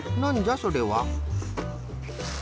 それは。